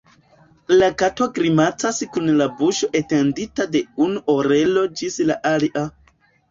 La kato grimacas kun la buŝo etendita de unu orelo ĝis la alia.